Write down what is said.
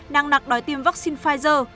năng nặc đòi tiêm vaccine pfizer